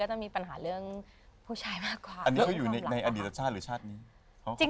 อันนี้คืออยู่ในอดีตรชาติหรือชาตินี้